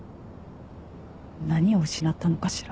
何を失ったのかしら。